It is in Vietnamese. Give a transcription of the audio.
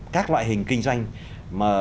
các loại hình kinh doanh mà